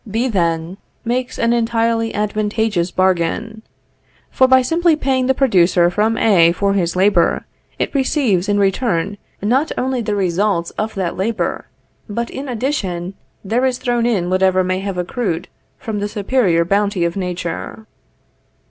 B then makes an entirely advantageous bargain; for by simply paying the producer from A for his labor, it receives in return not only the results of that labor, but in addition there is thrown in whatever may have accrued from the superior bounty of Nature.